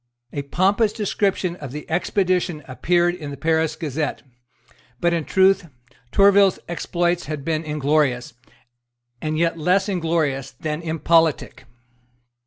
A pompous description of the expedition appeared in the Paris Gazette. But in truth Tourville's exploits had been inglorious, and yet less inglorious than impolitic.